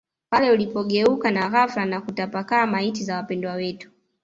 pale ulipogeuka na ghafla na kutapakaa Maiti za wapendwa wetu